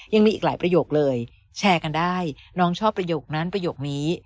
ยังมีอีกหลายประโยคเลยแชร์กันได้น้องชอบประโยคนั้นประโยคนี้